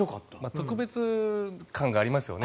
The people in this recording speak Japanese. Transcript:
特別感がありますよね。